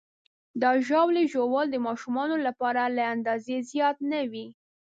د ژاولې ژوول د ماشومانو لپاره له اندازې زیات نه وي.